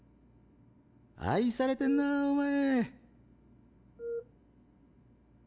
愛されてんなお前。